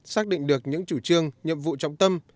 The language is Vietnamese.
xác định được những chủ trương nhiệm vụ trọng tâm